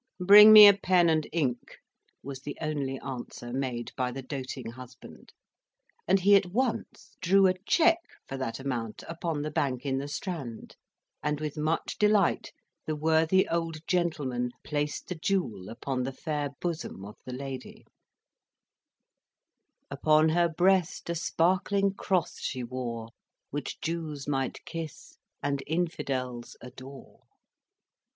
"Bring me a pen and ink," was the only answer made by the doting husband; and he at once drew a cheque for that amount upon the bank in the Strand; and with much delight the worthy old gentleman placed the jewel upon the fair bosom of the lady: "Upon her breast a sparkling cross she wore, Which Jews might kiss, and infidels adore."